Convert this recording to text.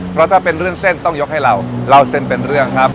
เพราะถ้าเป็นเรื่องเส้นต้องยกให้เราเล่าเส้นเป็นเรื่องครับ